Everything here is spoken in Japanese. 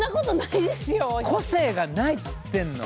個性がないっつってんの。